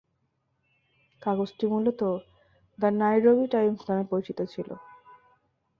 কাগজটি মূলত the Nairobi Times নামে পরিচিত ছিল।